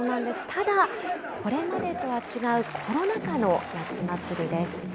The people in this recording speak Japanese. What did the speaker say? ただ、これまでとは違う、コロナ禍の夏祭りです。